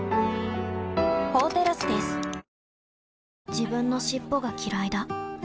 自分の尻尾がきらいだ